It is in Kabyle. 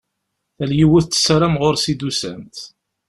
Tal yiwet tessaram ɣur-s i d-usant.